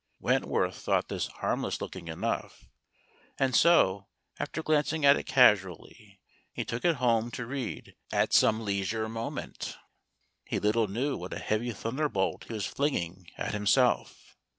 Wentworth thought this harmless looking enough, and so, after glancing at it casually, he took it home to read in some leisure moment. He little knew what a heavy thunderbolt he was flinging at himself.